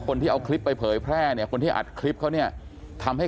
คนที่เอาคลิปไปเผยแพร่เนี่ยคนที่อัดคลิปเขาเนี่ยทำให้